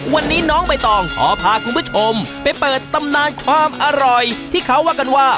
วันนี้น้องใบตองขอพาคุณผู้ชมไปเปิดตำนานความอร่อยที่เขาว่ากันว่า